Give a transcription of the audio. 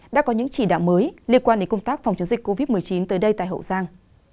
đã có những chỉ đạo mới liên quan đến công tác phòng chống dịch covid một mươi chín tới đây tại hậu giang